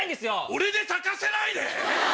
俺で咲かせないで！